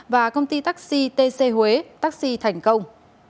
và công ty taxi tc huế taxi thành công